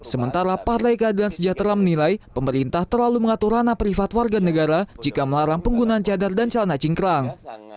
sementara partai keadilan sejahtera menilai pemerintah terlalu mengatur ranah privat warga negara jika melarang penggunaan cadar dan celana cingkrang